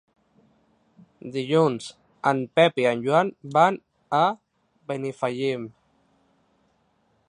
Dilluns en Pep i en Joan van a Benifallim.